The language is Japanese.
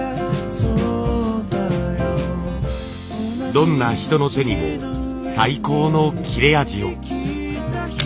どんな人の手にも最高の切れ味を。